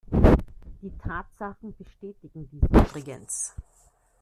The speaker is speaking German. Die Tatsachen bestätigen dies übrigens.